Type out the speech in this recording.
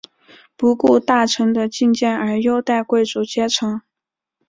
不顾大臣的进谏而优待贵族阶层。